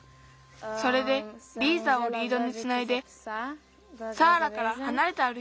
それでリーザをリードにつないでサーラからはなれてあるいたんだ。